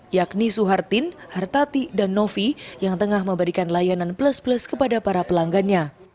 yakni suhartin hartati dan novi yang tengah memberikan layanan plus plus kepada para pelanggannya